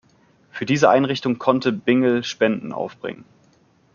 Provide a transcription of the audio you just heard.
Für diese Einrichtung konnte Bingel Spenden aufbringen.